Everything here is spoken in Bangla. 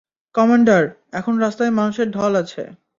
কমান্ডার, এখন রাস্তায় মানুষের ঢল আছে!